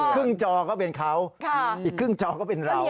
ครึ่งจอก็เป็นเค้าครึ่งจอแค่เรา